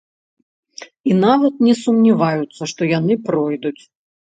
І нават не сумняваюцца, што яны пройдуць.